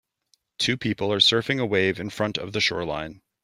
Two people are surfing a wave in front of the shoreline.